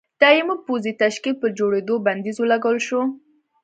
دایمي پوځي تشکیل پر جوړېدو بندیز ولګول شو.